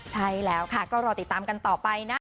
ใช่แล้วค่ะก็รอติดตามกันต่อไปนะ